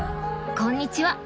こんにちは。